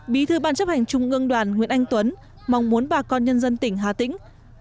bí thư ban chấp hành trung ương đoàn nguyễn anh tuấn mong muốn bà con nhân dân tỉnh hà tĩnh